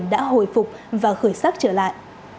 đã hồi phục và khởi sắc trở lại